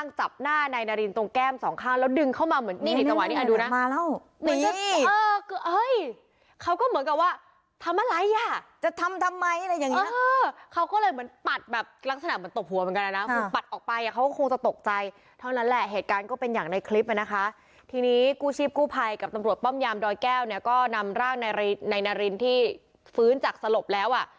ทีนี้เขาก็คงจะตกใจเท่านั้นแหละเหตุการณ์ก็เป็นอย่างในคลิปอ่ะนะคะทีนี้กู้ชีพกู้ภัยกับตำรวจป้อมยามดอยแก้วเนี่ยก็นำร่างนายนารินที่ฟื้นจากสลบแล้วอ่ะ